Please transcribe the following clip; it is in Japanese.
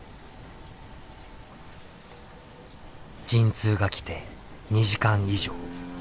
陣痛が来て２時間以上。